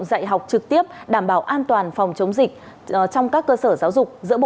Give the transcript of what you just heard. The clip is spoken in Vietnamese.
dạy học trực tiếp đảm bảo an toàn phòng chống dịch trong các cơ sở giáo dục